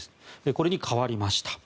これに変わりました。